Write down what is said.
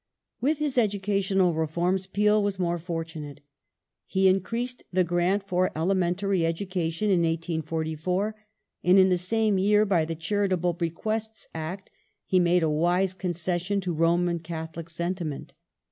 Irish With his educational reforms Peel was more fortunate. He education increased the grant for elementaiy education in 1844, and in the same year by the Charitable Bequests Act he made a wise con cession to Roman Catholic sentiment.